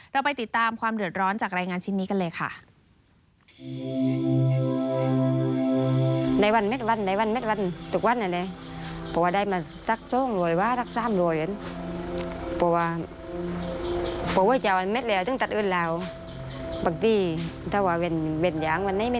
เราไปติดตามความเดือดร้อนจากรายงานชิ้นนี้กันเลยค่ะ